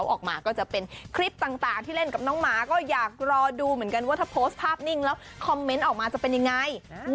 ออกมาก็จะเป็นคลิปต่างที่เล่นกับน้องหมาก็อยากรอดูเหมือนกันว่าถ้าโพสต์ภาพนิ่งแล้วคอมเมนต์ออกมาจะเป็นยังไง